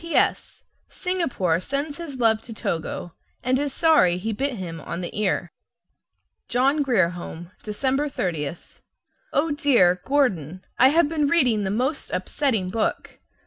P.S. Singapore sends his love to Togo, and is sorry he bit him on the ear. JOHN GRIER HOME, December 30. O DEAR, Gordon, I have been reading the most upsetting book!